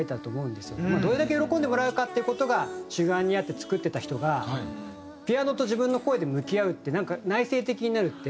どれだけ喜んでもらうかっていう事が主眼にあって作ってた人がピアノと自分の声で向き合うって内省的になるって。